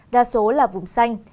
đa số là vùng xanh